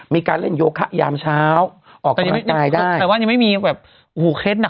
มีการเล่นโยคะยามเช้าออกกำลังกายได้แต่ว่ายังไม่มีแบบอูหูเคสหนัก